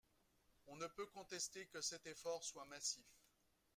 On ne peut contester que cet effort soit massif.